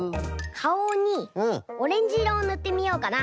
かおにオレンジいろをぬってみようかな。